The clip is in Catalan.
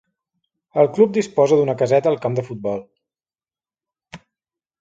El club disposa d'una caseta al camp de futbol.